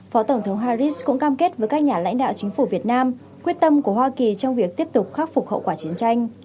phó tổng thống harris cũng cam kết với các nhà lãnh đạo chính phủ việt nam quyết tâm của hoa kỳ trong việc tiếp tục khắc phục hậu quả chiến tranh